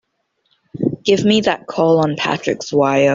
Give me that call on Patrick's wire!